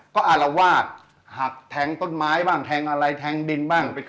ก็อารวาสหักแทงต้นไม้บ้างแทงอะไรแทงดินบ้าง